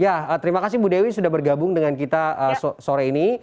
ya terima kasih bu dewi sudah bergabung dengan kita sore ini